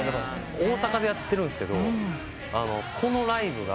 大阪でやってるんすけどこのライブが。